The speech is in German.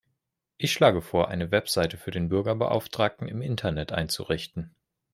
Ich schlage vor, eine Website für den Bürgerbeauftragten im Internet einzurichten.